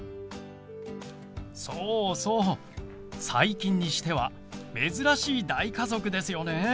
そうそう最近にしては珍しい大家族ですよね。